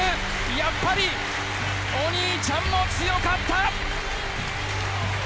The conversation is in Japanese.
やっぱりお兄ちゃんも強かった！